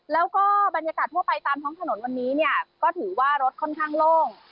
แล้วก็บรรยากาศทั่วไปตามท้องถนนวันนี้เนี่ยก็ถือว่ารถค่อนข้างโล่ง